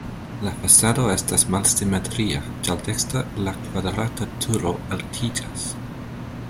La fasado estas malsimetria, ĉar dekstre la kvadrata turo altiĝas.